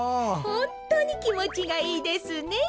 ほんとうにきもちがいいですねえ。